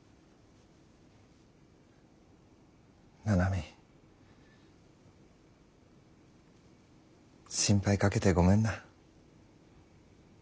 七海心配かけてごめんな。